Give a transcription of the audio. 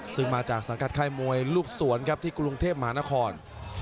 ซึ่งมาจากสังกัดไข้มวยลูกสวนที่กรุงเทพฯมหานคร